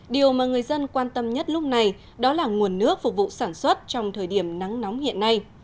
điều mà người dân quan tâm nhất lúc này đó là nguồn nước phục vụ sản xuất trong thời điểm nắng nóng hiện nay